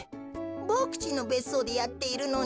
ボクちんのべっそうでやっているのに。